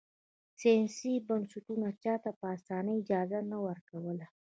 سیاسي بنسټونو چا ته په اسانۍ اجازه نه ورکوله.